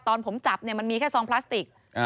ตอนผมจับเนี่ยมันมีแค่ซองพลาสติก